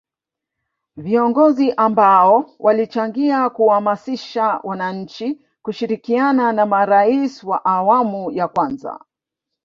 viongozi ambao walichangia kuamasisha wananchi kushirikiana ni marais wa awmu ya kwanza